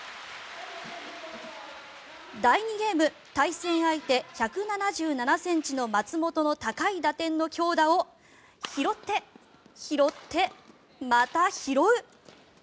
第２ゲーム対戦相手、１７７ｃｍの松本の高い打点の強打を拾って、拾って、また拾う！